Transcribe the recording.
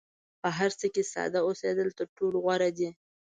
په هر څه کې ساده اوسېدل تر ټولو غوره دي.